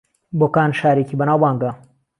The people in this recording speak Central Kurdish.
بۆکان شارێکی بەناوبانگە